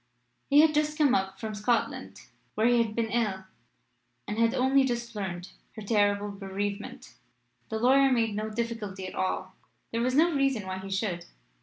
He had just come up from Scotland, where he had been ill, and had only just learned her terrible bereavement. The lawyer made no difficulty at all. There was no reason why he should.